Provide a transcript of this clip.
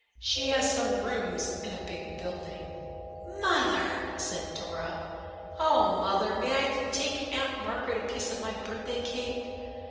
She has some rooms in a big building." "Mother!" said Dora, "oh, Mother, may I take Aunt Margaret a piece of my birthday cake?"